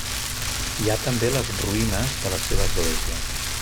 Hi ha també les ruïnes de la seva església.